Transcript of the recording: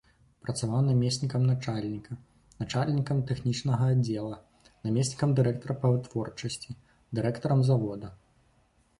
Працаваў намеснікам начальніка, начальнікам тэхнічнага аддзела, намеснікам дырэктара па вытворчасці, дырэктарам завода.